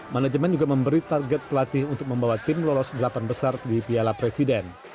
manajemen juga memberi target pelatih untuk membawa tim lolos delapan besar di piala presiden